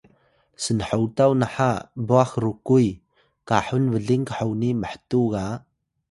snhotaw naha bwax ru kwi kahun bling khoni mhtuw ga